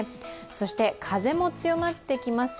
そして、風も強まってきます。